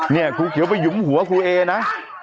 เนี่ยครูเขียวไปหยุมหัวครูเอนะ